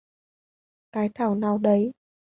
cái thảo nào đấy